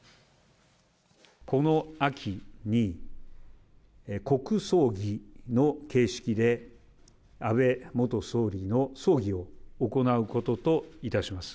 この秋に、国葬儀の形式で安倍元総理の葬儀を行うことといたします。